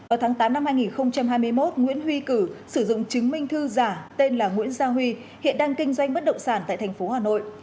vào tháng tám năm hai nghìn hai mươi một nguyễn huy cử sử dụng chứng minh thư giả tên là nguyễn gia huy hiện đang kinh doanh bất động sản tại thành phố hà nội